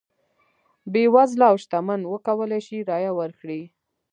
بېوزله او شتمن وکولای شي رایه ورکړي.